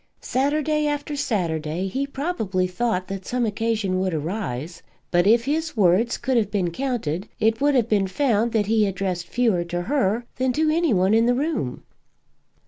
Saturday after Saturday he probably thought that some occasion would arise; but, if his words could have been counted, it would have been found that he addressed fewer to her than to any one in the room.